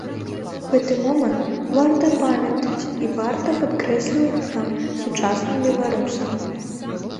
Гэты момант варта памятаць і варта падкрэсліваць нам, сучасным беларусам.